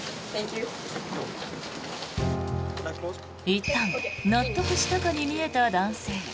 いったん納得したかに見えた男性。